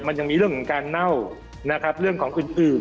มันยังมีเรื่องของการเน่านะครับเรื่องของอื่น